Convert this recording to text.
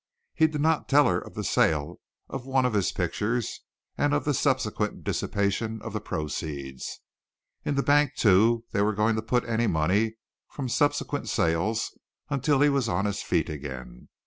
He did not tell her of the sale of one of his pictures and of the subsequent dissipation of the proceeds. In the bank, too, they were going to put any money from subsequent sales until he was on his feet again.